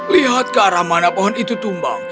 lihat ke arah mana pohon itu tumbang